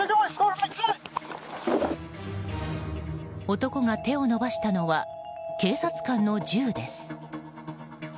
男が手を伸ばしたのは警察官の銃です。